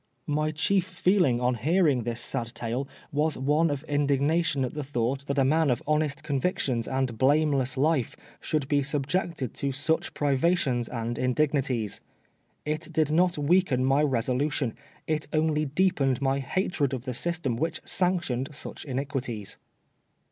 My chief feeling on hearing this sad tale was one of indignation at the ANOTHEB FBOSEOUTION. 5l thonght that a man of honest convictions and blameless life should be subjected to such privations and indigni ties. It did not weaken my resolution ; it only deepened my hatred of the system which sanctioned such iniquities.